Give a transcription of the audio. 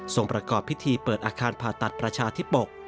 ประกอบพิธีเปิดอาคารผ่าตัดประชาธิปก